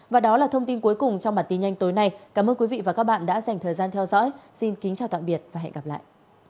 và đó là thông tin cuối cùng trong bản tin nhanh tối nay cảm ơn quý vị và các bạn đã dành thời gian theo dõi xin kính chào tạm biệt và hẹn gặp lại